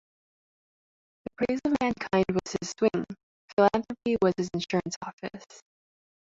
The praise of mankind was his swing; philanthropy was his insurance office.